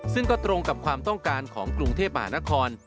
ซึ่งก็ตรงกับความต้องการของกรุงเทพมหานคร